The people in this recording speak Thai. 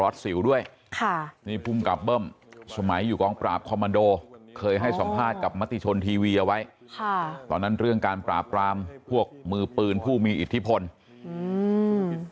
ทวีเอาไว้ค่ะตอนนั้นเรื่องการปรากรามพวกมือปืนผู้มีอิทธิพลอืม